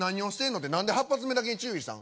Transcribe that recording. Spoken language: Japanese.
って何で８発目だけ注意したん？